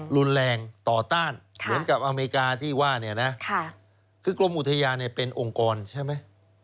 รุนแรงต่อต้านเหมือนกับอเมริกาที่ว่าคือกลมอุทยานเป็นองค์กรใช่ไหม